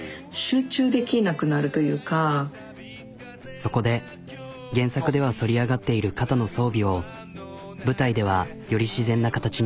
そこで原作では反り上がっている肩の装備を舞台ではより自然な形に。